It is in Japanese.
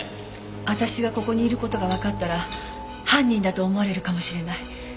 私がここにいる事がわかったら犯人だと思われるかもしれない。